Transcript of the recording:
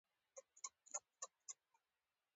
زه به څرنګه د دوی په دام کي لوېږم